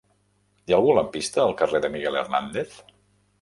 Hi ha algun lampista al carrer de Miguel Hernández?